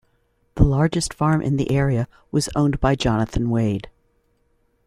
The largest farm in the area was owned by Jonathan Wade.